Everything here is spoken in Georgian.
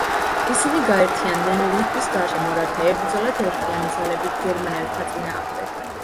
ისინი გაერთიანდნენ ლიტვის გარშემო რათა ებრძოლათ ერთიანი ძალებით გერმანელთა წინააღმდეგ.